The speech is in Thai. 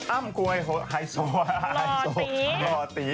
อ้ามก๋วยไฮโซ